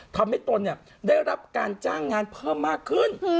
ทำให้ตนเนี่ยได้รับการจ้างงานเพิ่มมากขึ้น